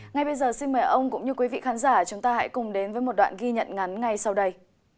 ngay bây giờ xin mời ông cũng như quý vị khán giả chúng ta hãy cùng đến với một đoạn ghi nhận ngắn ngay sau đây